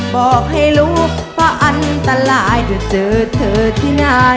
บอกให้รู้ว่าอันตรายเดี๋ยวเจอเธอที่ไหน